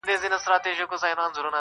چي د عیش پیمانه نه غواړې نسکوره!